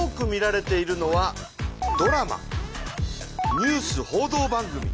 ニュース報道番組。